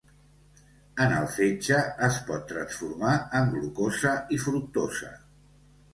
En el fetge es pot transformar en glucosa i fructosa.